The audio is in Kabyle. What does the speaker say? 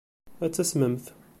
Ad tasmemt.